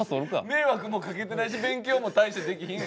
迷惑もかけてないし勉強も大してできひん。